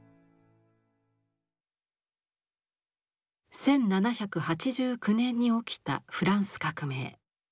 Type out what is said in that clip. １７８９年に起きたフランス革命。